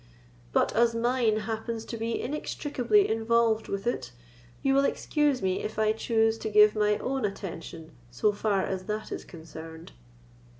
But as mine happens to be inextricably involved with it, you will excuse me if I choose to give my own attention so far as that is concerned."